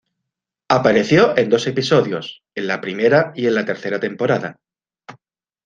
Apareció en dos episodios, en la primera y en la tercera temporada.